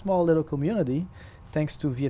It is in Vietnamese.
một giáo viên và một giáo viên